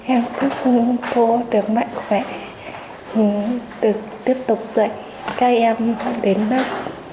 em chúc cô được mạnh khỏe được tiếp tục dạy các em đến lớp